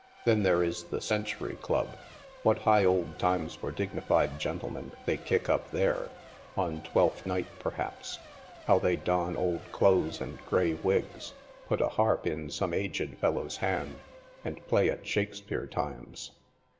Then there is the Century Club, what high old times for dignified gentle men, they kick up there, on '; Twelfth Night/"' perhaps how they don old clothes and grey wigs, put a harp in some aged fellow's hand and play at Shakespeare times